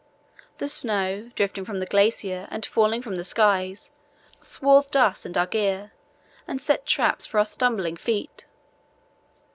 The snow, drifting from the glacier and falling from the skies, swathed us and our gear and set traps for our stumbling feet.